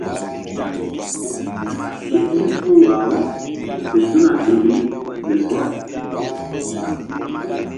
Ke ɓil puh wah-aw fe su̧na ƴo ri gel ɔk.